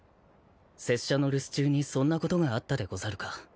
拙者の留守中にそんなことがあったでござるか。